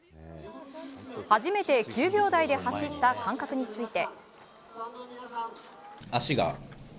初めて９秒台で走った感覚について。